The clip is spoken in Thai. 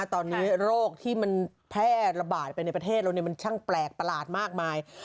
ตอนนี้โรคที่มันแพร่ระบาดไปในประเทศเรามันช่างแปลกประหลาดมากมาย